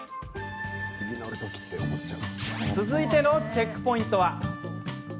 続いてのチェックポイントは。